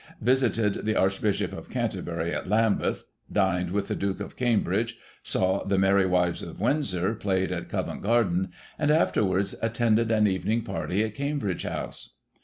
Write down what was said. visited the Archbishop of Canterbury at Lam beth; dined with the Duke of Cambridge; saw the Merry Wives of Windsor played at Covent Garden, and afterwards attended an evening, party at Cambridge House.